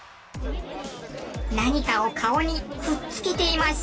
何かを顔にくっつけています。